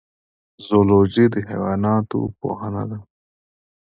زولوژی د حیواناتو پوهنه ده